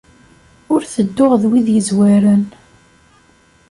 Ur tedduɣ d wid yezwaren